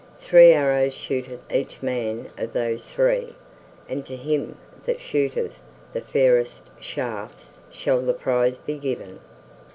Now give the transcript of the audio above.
Three arrows shooteth each man of those three, and to him that shooteth the fairest shafts shall the prize be given."